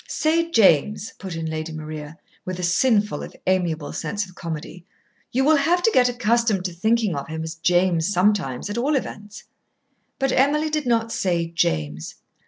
"Say 'James'," put in Lady Maria, with a sinful if amiable sense of comedy; "you will have to get accustomed to thinking of him as 'James' sometimes, at all events." But Emily did not say "James."